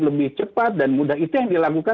lebih cepat dan mudah itu yang dilakukan